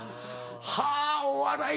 はぁお笑い